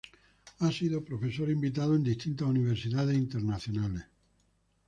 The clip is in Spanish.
Ha sido profesor invitado en distintas universidades internacionales.